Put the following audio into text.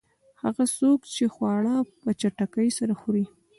هغه څوک چې خواړه په چټکۍ سره خوري.